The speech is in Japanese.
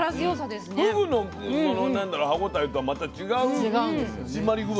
ふぐの歯ごたえとはまた違う締まり具合。